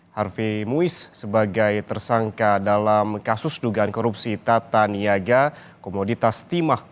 harvey muiz sebagai tersangka dalam kasus dugaan korupsi tata niaga komoditas timah